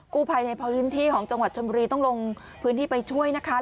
ภัยในพอพื้นที่ของจังหวัดชนบุรีต้องลงพื้นที่ไปช่วยนะคะ